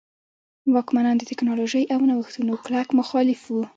واکمنان د ټکنالوژۍ او نوښتونو کلک مخالف وو.